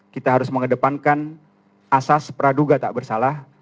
kita harus mengedepankan asas praduga tak bersalah